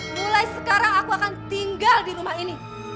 mulai sekarang aku akan tinggal di rumah ini